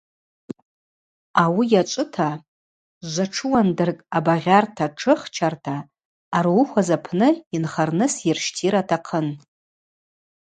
Ауи йачӏвыта жватшыуандыркӏ абагъьарта-тшыхчарта ъаруыхвуз апны йынхарныс йырщтира атахъын.